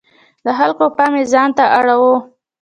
د خلکو پام یې ځانته اړاوه.